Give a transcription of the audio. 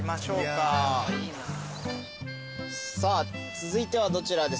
さあ続いてはどちらですか？